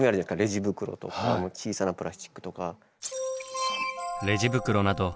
レジ袋とか小さなプラスチックとか。